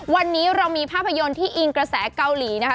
วันนี้เรามีภาพยนตร์ที่อิงกระแสเกาหลีนะคะ